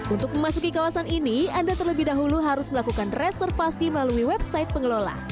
untuk memasuki kawasan ini anda terlebih dahulu harus melakukan reservasi melalui website pengelola